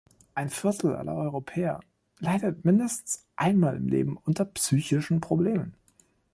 Ein Viertel aller Europäer leidet mindestens einmal im Leben unter psychischen Problemen.